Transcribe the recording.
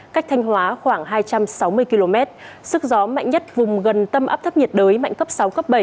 cách thanh hóa khoảng hai trăm sáu mươi km sức gió mạnh nhất vùng gần tâm áp thấp nhiệt đới mạnh cấp sáu cấp bảy